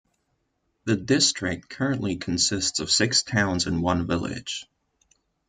The district currently consists of six towns and one village.